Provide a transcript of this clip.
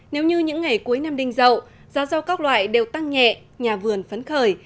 nếu như những ngày cuối năm đinh rậu giá rau các loại đều tăng nhẹ nhà vườn phấn khởi